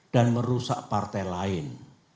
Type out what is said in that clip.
dan merusak partai lain